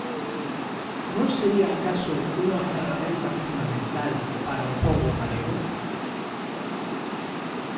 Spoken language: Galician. ¿Non sería acaso unha ferramenta fundamental para o pobo galego?